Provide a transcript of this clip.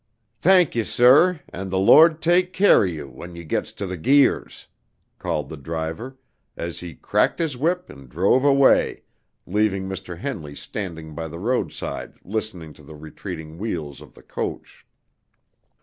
"Tank 'ee, sir, and de Lawd take keer o' you when you gets to de Guirs'," called the driver, as he cracked his whip and drove away, leaving Mr. Henley standing by the roadside listening to the retreating wheels of the coach.